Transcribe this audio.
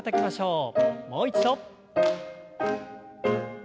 もう一度。